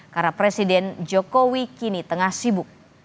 karena presiden jokowi kini tengah sibuk